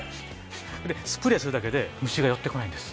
スプレーするだけで虫が寄ってこないんです。